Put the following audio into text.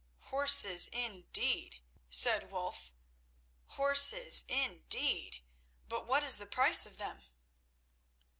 "Horses indeed!" said Wulf. "Horses indeed! But what is the price of them?"